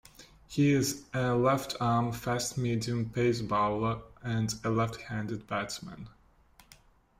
He is a left-arm fast-medium pace bowler and a left-handed batsman.